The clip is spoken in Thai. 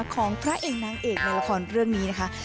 ของพระเอกนางเอกในละครเรื่องนี้นะคะ